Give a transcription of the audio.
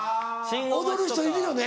踊る人いるよね。